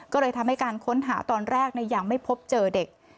ก็เลยทำให้การค้นหาตอนแรกยังไม่พบเจอเด็ก